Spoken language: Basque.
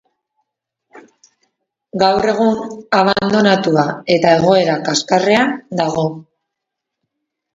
Gaur egun, abandonatua eta egoera kaskarrean dago.